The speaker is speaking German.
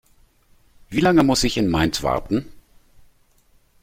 Wie lange muss ich in Mainz warten?